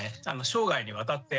生涯にわたって。